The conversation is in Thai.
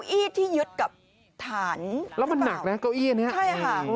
เก้าอี้ที่ยึดกับถ่านแล้วมันหนักนะเก้าอี้อันนี้